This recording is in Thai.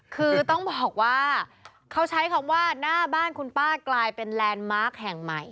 คือต้องบอกว่าเขาใช้คำว่าหน้าบ้านคุณป้ากลายเป็นแลนด์มาร์คแห่งใหม่